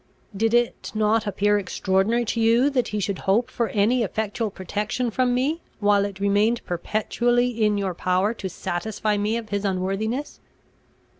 "Did it not appear extraordinary to you, that he should hope for any effectual protection from me, while it remained perpetually in your power to satisfy me of his unworthiness?"